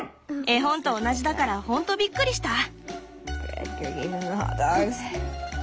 絵本と同じだからほんとびっくりした。